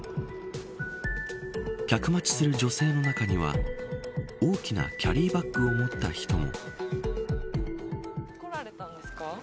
客待ちする女性の中には大きなキャリーバッグを持った人も。